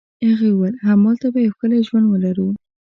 هغې وویل: همالته به یو ښکلی ژوند ولرو.